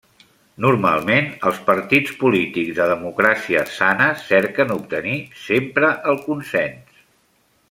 Normalment els partits polítics de democràcies sanes cerquen obtenir sempre el consens.